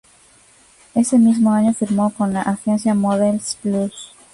Ese mismo año, firmó con la agencia Models Plus.